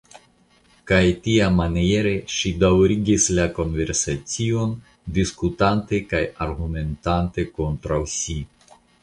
Kaj tiamaniere ŝi daŭrigis la konversacion, diskutante kaj argumentante kontraŭ si.